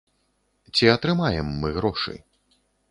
Ці атрымаем мы грошы?